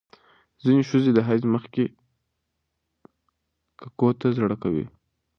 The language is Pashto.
ځینې ښځې د حیض مخکې ککو ته زړه کوي.